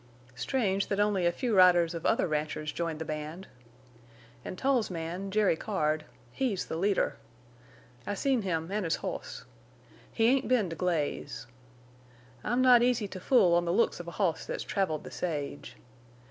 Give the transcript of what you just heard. Strange thet only a few riders of other ranchers joined the band! An' Tull's man, Jerry Card—he's the leader. I seen him en' his hoss. He ain't been to Glaze. I'm not easy to fool on the looks of a hoss thet's traveled the sage.